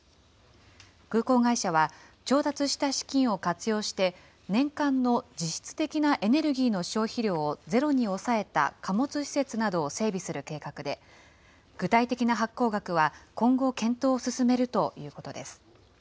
空港会社は、調達した資金を活用して、年間の実質的なエネルギーの消費量をゼロに抑えた貨物施設などを整備する計画で、具体的な発行額は、今後、検討を進めるということです。